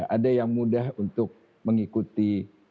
ada yang mudah untuk mengikuti